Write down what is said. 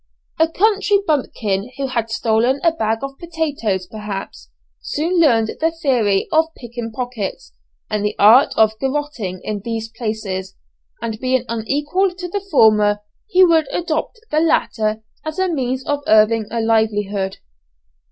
A country bumpkin who had stolen a bag of potatoes, perhaps, soon learned the theory of picking pockets and the art of garotting in these places, and being unequal to the former he would adopt the latter as a means of earning a livelihood.